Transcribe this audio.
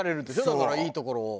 だからいいところを。